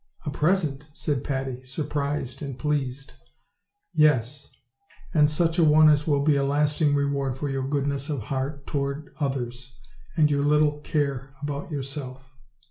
"A present!" said Patty, surprised and pleased. "Yes! and such a one as will be a lasting reward for your goodness of heart toward others, and your little care about yourself.